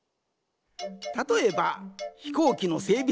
たとえばひこうきのせいびし。